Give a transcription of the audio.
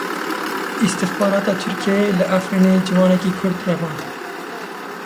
Îstixbarata Tirkiyeyê li Efrînê ciwanekî Kurd revand.